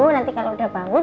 nanti kalo udah bangun